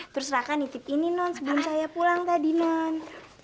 terus laka nitip ini non sebelum saya pulang tadi non